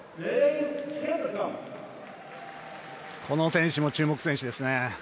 この選手も注目選手です。